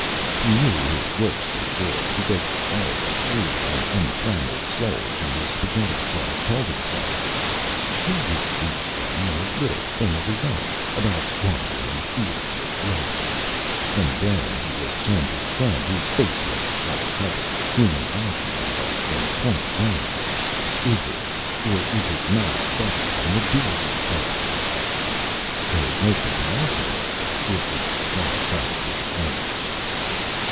He knew his Works were good, because all the Free and Untrammeled Souls in the Spaghetti Joint told him so. He would read them a Little Thing of his Own about Wandering in the Fields with Lesbia, and then he would turn to a Friend, whose Face was all covered with Human Ivy, and ask him, point blank: "Is it, or is it not, Better than the Dooley Stuff?" [Illustration: THOROUGH BOHEMIAN] "There is no Comparison," would be the Reply, coming through the Foliage.